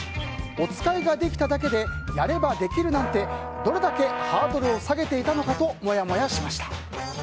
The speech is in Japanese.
おつかいができただけでやればできるなんてどれだけハードルを下げていたのかとモヤモヤしました。